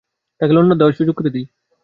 তাকে লন্ডন যাওয়ার সুযোগ করে দেই।